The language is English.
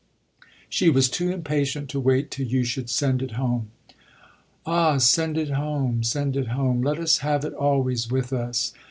She was too impatient to wait till you should send it home." "Ah send it home send it home; let us have it always with us!"